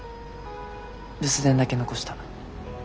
留守電だけ残した。